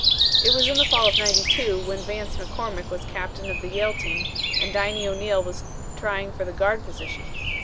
"It was in the Fall of '92 when Vance McCormick was captain of the Yale team, and Diney O'Neal was trying for the guard position.